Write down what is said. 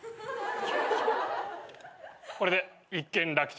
これで一件落着。